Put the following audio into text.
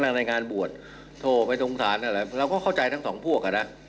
รังในงานบวชโทษไปตรงฐานนั่นแหละเราก็เข้าใจทั้งสองพวกค่ะนะ